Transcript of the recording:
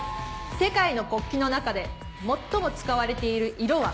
世界の国旗の中で最も使われてる色は？